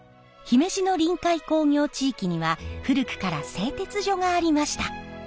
姫路の臨海工業地域には古くから製鉄所がありました。